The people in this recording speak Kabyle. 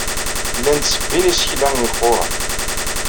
Llan ttebbin isekla yeqquren.